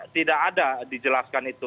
tidak ada dijelaskan itu